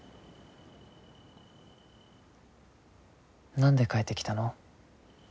何で帰ってきたの？